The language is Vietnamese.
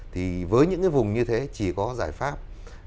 thì với những cái vùng như thế chỉ có giải pháp